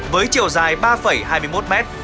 với chiều dài ba hai mươi một m